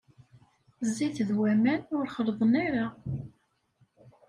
Zzit d waman ur xellḍen ara.